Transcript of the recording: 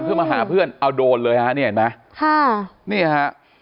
เพื่อมาหาเพื่อนเอาโดนเลยฮะนี่เห็นไหมค่ะนี่ฮะ